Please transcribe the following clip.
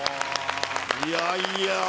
いやいや！